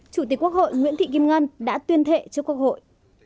chủ tịch quốc hội nguyễn thị kim ngân đã tuyên thệ trước quốc hội